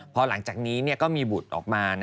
พอหลังจากนี้ก็มีบุตรออกมา